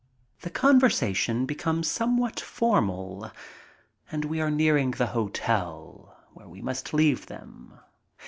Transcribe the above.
The conversation becomes somewhat formal. And we are nearing the hotel, where we must leave them.